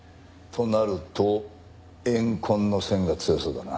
となると怨恨の線が強そうだな。